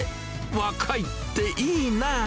若いっていいな。